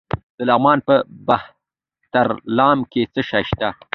د لغمان په مهترلام کې څه شی شته؟